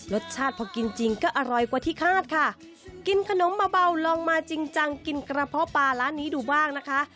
รสชาติพอกินจริงก็อร่อยกว่าที่คาดค่ะกินขนมเบาลองมาจริงจังกินกระเพาะปลาร้านนี้ดูบ้างนะคะ